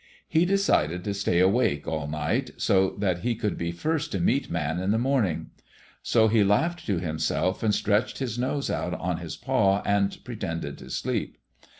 He decided to stay awake all night, so that he would be first to meet Man in the morning. So he laughed to himself and stretched his nose out on his paw and pretended to sleep.